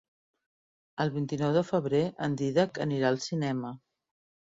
El vint-i-nou de febrer en Dídac anirà al cinema.